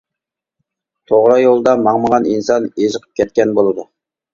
توغرا يولدا ماڭمىغان ئىنسان ئېزىقىپ كەتكەن بولىدۇ.